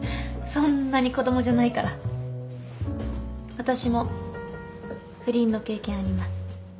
私も不倫の経験あります。